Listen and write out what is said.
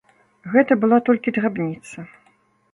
Гэта была толькі драбніца.